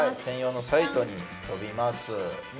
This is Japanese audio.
専用のサイトに飛びます